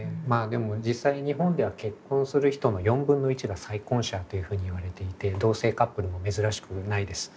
でも実際日本では結婚する人の４分の１が再婚者というふうにいわれていて同性カップルも珍しくないです。